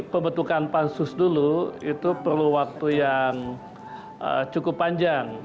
pembentukan pansus dulu itu perlu waktu yang cukup panjang